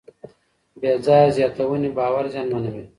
بېځایه زیاتونې باور زیانمنوي.